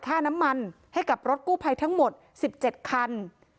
ค่าน้ำมันให้กับรถกู้ภัยทั้งหมด๑๗คัน